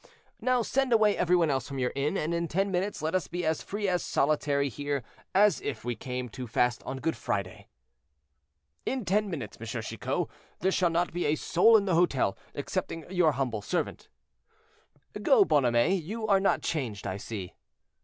now send away every one else from your inn, and in ten minutes let us be as free and as solitary here as if we came to fast on Good Friday." "In ten minutes, M. Chicot, there shall not be a soul in the hotel excepting your humble servant." "Go, Bonhomet; you are not changed, I see."